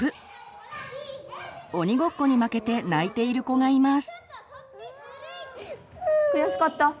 鬼ごっこに負けて泣いている子がいます。